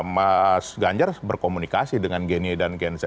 mas ganjar berkomunikasi dengan gen y dan gen z